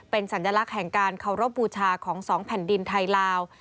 เป็นสัญลักษณ์แห่งการเคารพบูชาของสองแผ่นดินไทยลาว